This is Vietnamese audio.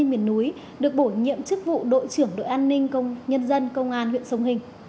trung tá bế hồng quân được bổ nhiệm chức vụ đội trưởng đội an ninh nhân dân công an huyện sông hình